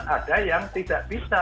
ada yang tidak bisa